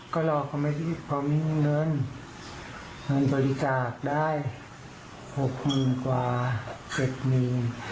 ก็รอก่อนไว้ที่พอมีเงินโดนบริจาคได้๖คนกว่า๗นีม